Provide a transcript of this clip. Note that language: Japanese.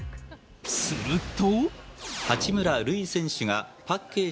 すると。